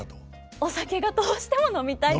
お酒がどうしても飲みたいと。